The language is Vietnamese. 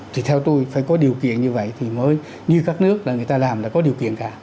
thì theo tôi phải có điều kiện như vậy thì mới như các nước là người ta làm đã có điều kiện cả